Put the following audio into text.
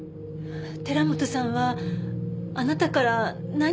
寺本さんはあなたから何を奪ったの？